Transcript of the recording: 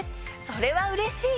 それはうれしい！